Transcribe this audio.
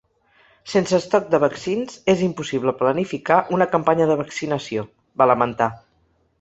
“Sense estoc de vaccins, és impossible planificar una campanya de vaccinació”, va lamentar.